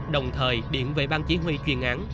đồng thời điện về bang chỉ huy chuyên án